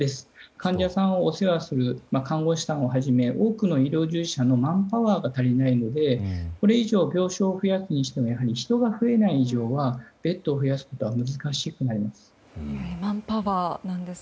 患者さんをお世話する看護師さんをはじめ多くの医療従事者のマンパワーが足りないのでこれ以上、病床を増やすにしても人が増えない以上はベッドを増やすことは難しくなります。